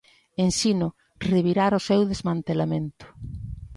Ensino, revirar o seu desmantelamento.